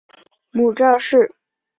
母赵氏。